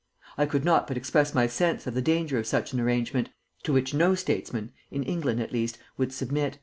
I could not but express my sense of the danger of such an arrangement, to which no statesman, in England at least, would submit."